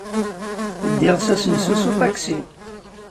Ddiɣ s asensu s uṭaksi.